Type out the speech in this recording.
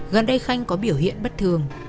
gần đây khanh có biểu hiện bất thường